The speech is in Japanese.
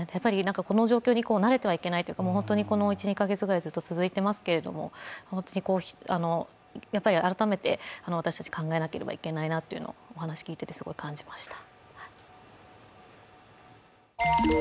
この状況に慣れてはいけないというか、この１２カ月くらいずっと続いていますけれども、改めて私たち、考えなければいけないなというのを、お話を聞いていてすごい感じました。